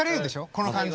この感じ。